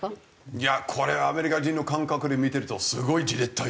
いやこれはアメリカ人の感覚で見てるとすごいじれったいですよ。